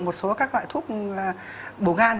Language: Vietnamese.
một số các loại thuốc bổ gan